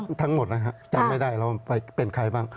ก็ทั้งหมดนะครับจำไม่ได้เราเป็นใครบ้าง